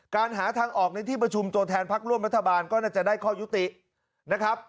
หาทางออกในที่ประชุมตัวแทนพักร่วมรัฐบาลก็น่าจะได้ข้อยุตินะครับ